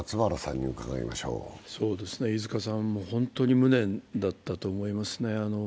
飯塚さんも本当に無念だったと思いますね。